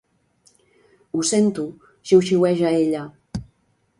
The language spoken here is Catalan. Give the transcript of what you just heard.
Ho sento —xiuxiueja ella—.